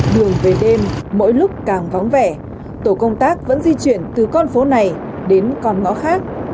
đường về đêm mỗi lúc càng vắng vẻ tổ công tác vẫn di chuyển từ con phố này đến con ngõ khác